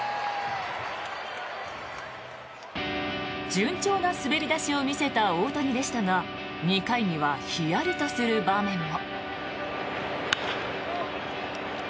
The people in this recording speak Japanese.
順調な滑り出しを見せた大谷でしたが２回には、ひやりとする場面も。